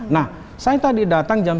nah saya tadi datang jam satu